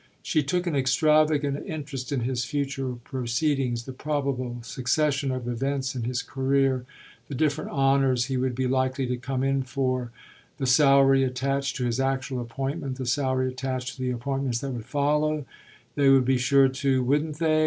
She took an extravagant interest in his future proceedings, the probable succession of events in his career, the different honours he would be likely to come in for, the salary attached to his actual appointment, the salary attached to the appointments that would follow they would be sure to, wouldn't they?